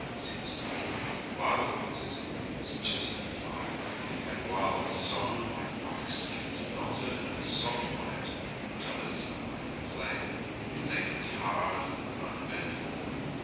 Seems to me, as the Bible puts it, it's just a fire, and whiles some like wax gets melted and soft by it, t'others are like the clay, they gets hard and unbendable.